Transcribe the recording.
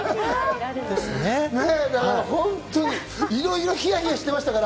本当にいろいろヒヤヒヤしてました。